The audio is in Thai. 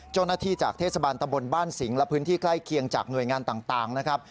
เจ้าหน้าที่จากเทศบาลตะบนบ้านสิงห์และพื้นที่ใกล้เคียงจากหน่วยงานต่างนะครับ